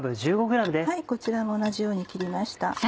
こちらも同じように切りました。